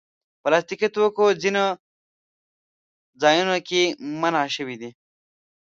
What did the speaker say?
پلاستيکي توکي ځینو ځایونو کې منع شوي دي.